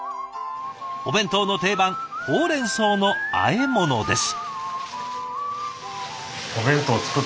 お弁当の定番ほうれんそうの和え物です。